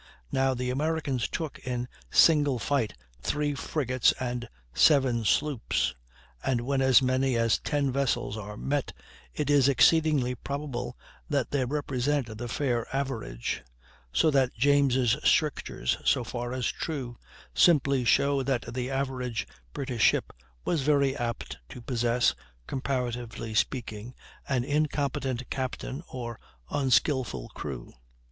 Now the Americans took in single fight three frigates and seven sloops, and when as many as ten vessels are met it is exceedingly probable that they represent the fair average; so that James' strictures, so far as true, simply show that the average British ship was very apt to possess, comparatively speaking, an incompetent captain or unskilful crew.